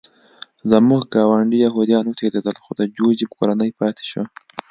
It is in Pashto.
زموږ ګاونډي یهودان وتښتېدل خو د جوزف کورنۍ پاتې شوه